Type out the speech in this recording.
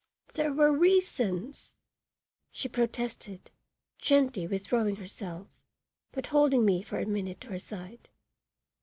"There were reasons," she protested, gently withdrawing herself, but holding me for a minute to her side.